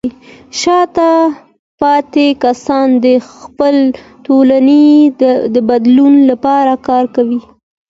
شاته پاتې کسان د خپلې ټولنې د بدلون لپاره کار کوي.